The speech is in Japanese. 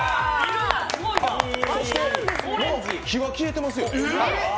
そして、もう火は消えていますよね？